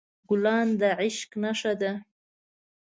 ګلان د عشق نښه ده.